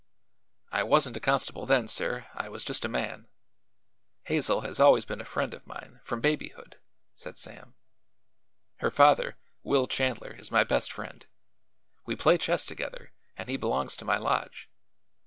"I wasn't a constable then, sir; I was just a man. Hazel has always been a favorite of mine, from babyhood," said Sam. "Her father, Will Chandler, is my best friend. We play chess together and he belongs to my lodge.